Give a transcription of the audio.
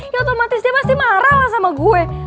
ya otomatis dia pasti marah lah sama gue